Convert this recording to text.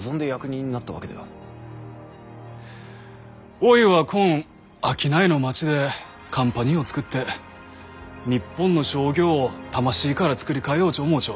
おいはこん商いの町でカンパニーを作って日本の商業を魂から作り替えようち思うちょ。